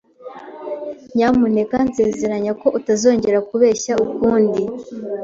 Nyamuneka nsezeranya ko utazongera kubeshya ukundi.